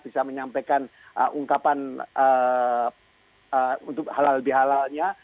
bisa menyampaikan ungkapan untuk halal bihalalnya